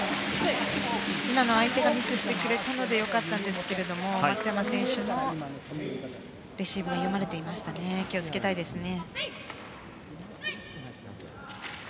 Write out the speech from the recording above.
今のは相手がミスしてくれたので良かったんですが松山選手のレシーブが読まれていましたから気を付けたいですね。